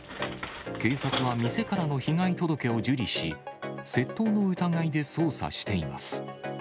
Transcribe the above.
警察は店からの被害届を受理し、窃盗の疑いで捜査しています。